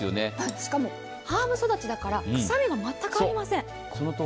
しかもハーブ育ちだから臭みが全くありません。